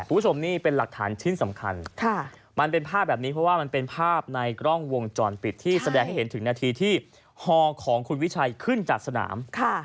คุณผู้ชมนี่เป็นหลักฐานชิ้นสำคัญมันเป็นภาพแบบนี้เพราะว่ามันเป็นภาพในกล้องวงจรปิดที่แสดงให้เห็นถึงนาทีที่ฮอของคุณวิชัยขึ้นจากสนาม